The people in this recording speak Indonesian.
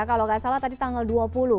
kalau nggak salah tadi tanggal dua puluh